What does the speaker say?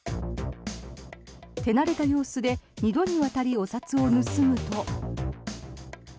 手慣れた様子で２度にわたりお札を盗むと。